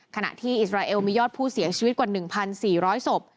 ขณะที่อิสราเอลมียอดผู้เสียชีวิตกว่า๑๔๐๐ศพ